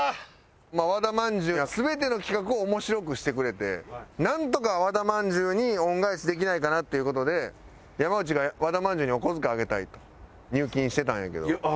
まあ和田まんじゅうが全ての企画を面白くしてくれてなんとか和田まんじゅうに恩返しできないかなっていう事で山内が和田まんじゅうにお小遣いあげたいと入金してたんやけど。